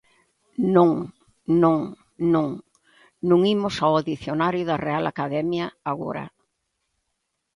Non, non, non; non imos ao Dicionario da Real Academia agora.